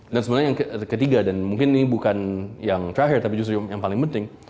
dan sebenarnya yang ketiga dan mungkin ini bukan yang terakhir tapi justru yang paling penting